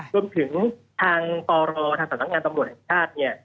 รวมถึงทางตอรทางสำนักงานตำรวจแทนชาติ